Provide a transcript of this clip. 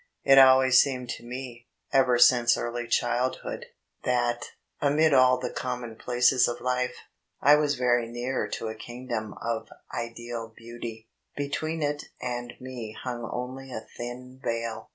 It has always seemed to me, ever since early childhood, D,i„Mb, Google that, amid all the commonplaces of life, I was very near to a kingdom of ideal beauty. Between it and me hung only a thin veil.